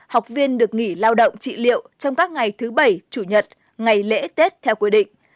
học viên được nghỉ lao động trị liệu trong các ngày thứ bảy chủ nhật ngày lễ tết theo quy định